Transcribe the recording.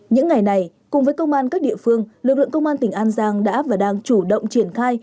những ngày này cùng với công an các địa phương lực lượng công an tỉnh an giang đã và đang chủ động triển khai